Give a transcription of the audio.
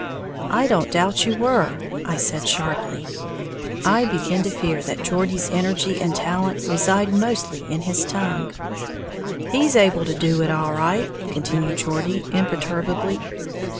"I don't doubt you were," I said, sharply, I begin to fear that Geordie's energy and talent reside mostly in his tongue. "He's able to do it all right," continued Geordie, imperturbably.